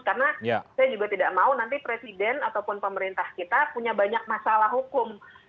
karena saya juga tidak mau nanti presiden ataupun pemerintah kita punya banyak masalah hukum